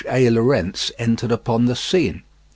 A. Lorentz entered upon the scene.